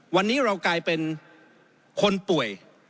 วันนี้เรากลายเป็นคนป่วย